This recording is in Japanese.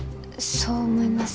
そう思います？